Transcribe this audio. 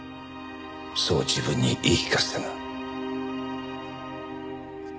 そう自分に言い聞かせてな。